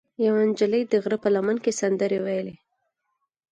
یوه نجلۍ د غره په لمن کې سندرې ویلې.